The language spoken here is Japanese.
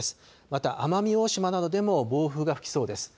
また奄美大島などでも暴風が吹きそうです。